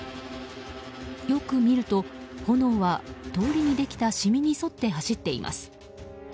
よく見ると炎は通りにできた染みに沿って走っています。